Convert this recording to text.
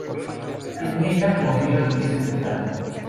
En ella corrieron diez en total.